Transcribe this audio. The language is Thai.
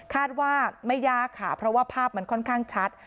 คาดว่าไม่ยากค่ะเพราะว่าภาพมันค่อนข้างชัด